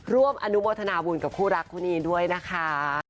ร่วมอนุโมทนาบุญกับคู่รักคู่นี้ด้วยนะคะ